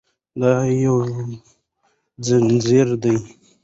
دا یو ځنځیر دی.